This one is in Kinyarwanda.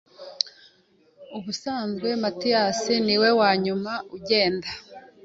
Ubusanzwe Matiyasi niwe wanyuma ugenda.